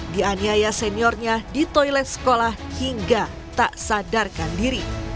dianiaya seniornya di toilet sekolah hingga tak sadarkan diri